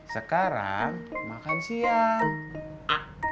sekarang makan siang